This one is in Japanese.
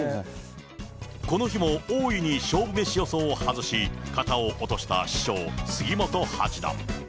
この日も大いに勝負メシ予想を外し、肩を落とした師匠、杉本八段。